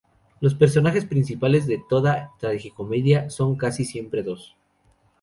Los personajes principales de esta tragicomedia son casi siempre dos.